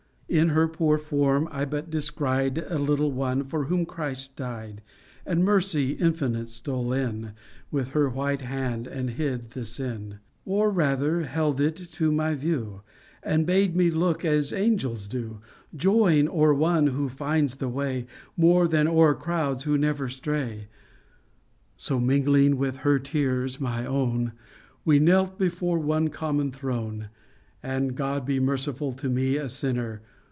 AMIS, THE MISER 143 In her poor form I but descried A little one for whom Christ died, And Mercy infinite stole in, With her white hand and hid the sin; Or, rather, held it to my view And bade me look as angels do, â Joying o'er one who finds the way More than o'er crowds who never stray. So, mingling with her tears my own, We knelt before one common throne And, " God be merciful to me, A sinner